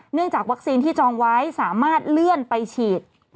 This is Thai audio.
จากวัคซีนที่จองไว้สามารถเลื่อนไปฉีด